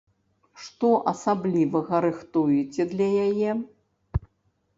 Што асаблівага рыхтуеце для яе?